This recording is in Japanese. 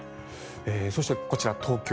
そして、こちら東京。